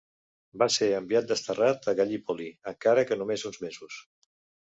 Va ser enviat desterrat a Gal·lípoli encara que només uns mesos.